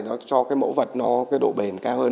nó cho mẫu vật độ bền cao hơn